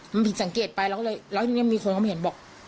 มันผิดสังเกตไปเราก็เลยแล้วทีนี้มีคนเขามาเห็นบอก